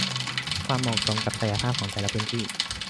และเหมาะสมกับศักยภาพของแต่ละพื้นที่